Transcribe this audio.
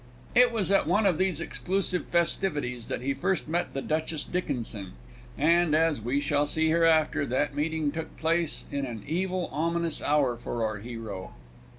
It was at one of these exclusive festivities that he first met the Duchess Dickinson, and (as we shall see hereafter) that meeting took place in an evil ominous hour for our hero.